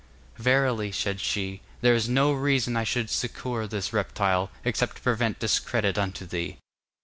'Verily,' said she, 'there is no reason I should succour this reptile, except to prevent discredit unto thee.